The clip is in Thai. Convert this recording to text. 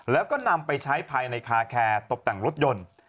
แล้วก็นำไปใช้ภายในคาแคร์ตบแต่งรถยนต์